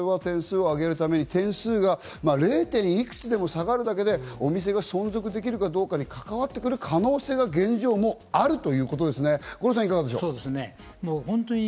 それは点数を上げるために、０．いくつでも下がるだけで、お店が存続できるかどうかに関わってくる可能性が現状あるということですね、五郎さん。